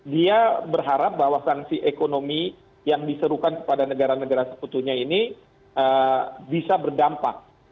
dia berharap bahwa sanksi ekonomi yang diserukan kepada negara negara seputunya ini bisa berdampak